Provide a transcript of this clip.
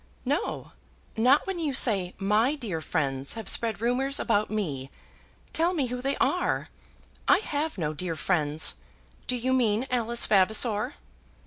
"No; not when you say my dear friends have spread rumours about me. Tell me who they are. I have no dear friends. Do you mean Alice Vavasor?"